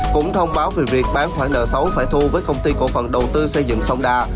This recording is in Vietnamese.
cũng thông báo về việc bán khoản nợ xấu phải thu với công ty cổ phần đầu tư xây dựng sông đà